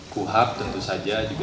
kuhab tentu saja